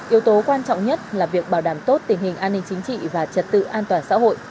yếu tố quan trọng nhất là việc bảo đảm tốt tình hình an ninh chính trị và trật tự an toàn xã hội